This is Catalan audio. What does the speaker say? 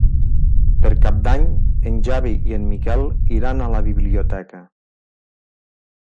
Per Cap d'Any en Xavi i en Miquel iran a la biblioteca.